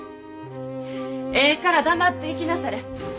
ええから黙って行きなされ。